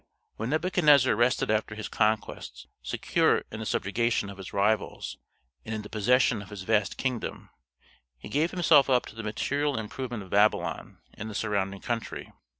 When Nebuchadnezzar rested after his conquests, secure in the subjugation of his rivals, and in the possession of his vast kingdom, he gave himself up to the material improvement of Babylon and the surrounding country.